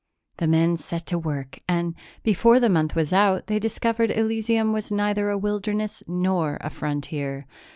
The men set to work and, before the month was out, they discovered that Elysium was neither a wilderness nor a frontier.